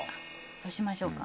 そうしましょうか。